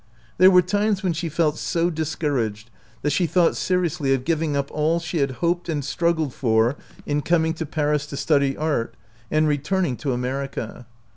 There were times when she felt so dis couraged that she thought seriously of giv ing up all she had hoped and struggled for in coming to Paris to study art, and return ing to America.